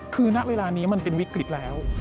คือณเวลานี้มันเป็นวิกฤตแล้ว